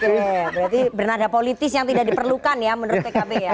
berarti bernada politis yang tidak diperlukan ya menurut pkb ya